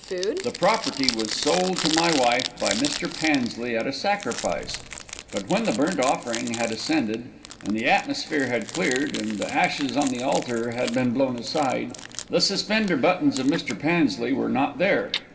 The property was sold to my wife by Mr. Pansley at a sacrifice, but when the burnt offering had ascended, and the atmosphere had cleared, and the ashes on the altar had been blown aside, the suspender buttons of Mr. Pansley were not there.